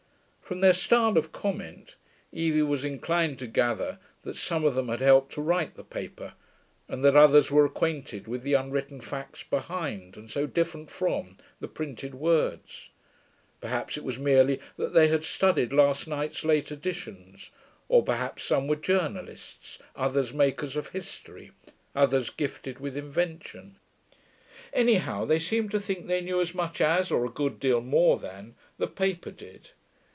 From their style of comment Evie was inclined to gather that some of them had helped to write the paper and that others were acquainted with the unwritten facts behind and so different from the printed words; perhaps it was merely that they had studied last night's late editions, or perhaps some were journalists, others makers of history, others gifted with invention. Anyhow they seemed to think they knew as much as, or a good deal more than, the paper did.